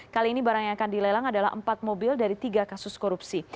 kali ini barang yang akan dilelang adalah empat mobil dari tiga kasus korupsi